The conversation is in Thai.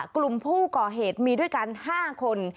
กลุ่มผู้ก่อเหตุมีด้วยกัน๕คน